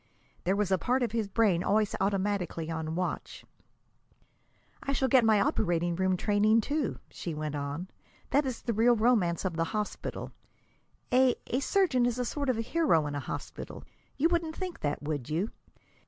There was a part of his brain always automatically on watch. "I shall get my operating room training, too," she went on. "That is the real romance of the hospital. A a surgeon is a sort of hero in a hospital. You wouldn't think that, would you?